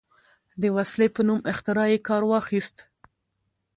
د وسلې په نوم اختراع یې کار واخیست.